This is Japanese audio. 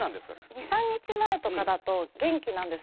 ２３日前とかだと元気なんです。